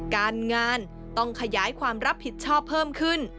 การงานต้องขยายความรับผิดชอบเพิ่มขึ้น